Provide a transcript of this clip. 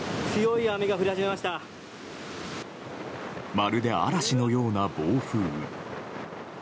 まるで嵐のような暴風雨。